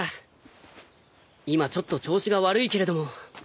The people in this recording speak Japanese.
今ちょっと調子が悪いけれども。